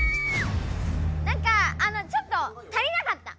なんかちょっと足りなかった？